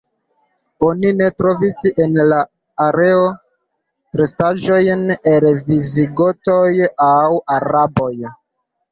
Oni ne trovis en la areo restaĵojn el visigotoj aŭ araboj.